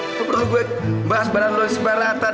atau perlu gue bahas barang lo yang sebarang atas